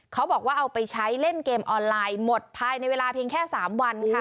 เขาบอกว่าเอาไปใช้เล่นเกมออนไลน์หมดภายในเวลาเพียงแค่๓วันค่ะ